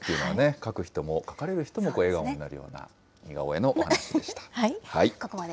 描く人も描かれる人も笑顔になるような似顔絵のお話でした。